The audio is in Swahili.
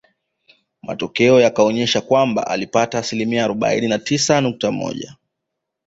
Matokeo yakaonesha kwamba alipata asilimia arobaini na tisa nukta moja